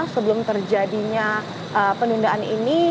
sebelum terjadinya pendundaan ini